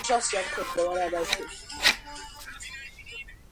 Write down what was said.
შემდეგ უპირატესობა მიანიჭა დამოუკიდებელ პროექტებში გადაღებას.